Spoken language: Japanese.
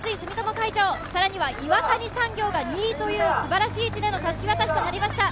更には岩谷産業が２位というすばらしい位置でのたすき渡しとなりました。